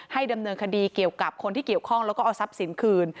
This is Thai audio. ดำเนินคดีเกี่ยวกับคนที่เกี่ยวข้องแล้วก็เอาทรัพย์สินคืน